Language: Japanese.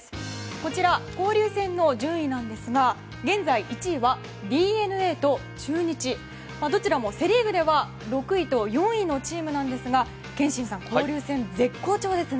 こちら、交流戦の順位ですが現在、１位はＤｅＮＡと中日、どちらもセ・リーグでは６位と４位のチームなんですが憲伸さん、交流戦絶好調ですね。